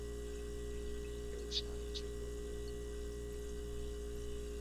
কেউ সাহায্য করবে?